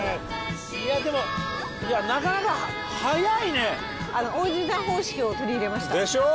いやでもなかなかはやいね大泉さん方式を取り入れましたでしょ？